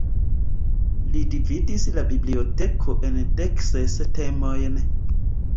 Li dividis la "Biblioteko" en dekses temojn.